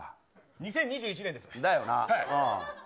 ２０２１年です。だよな。